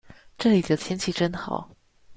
這裡的天氣真好